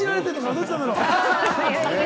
どっちなんだろう？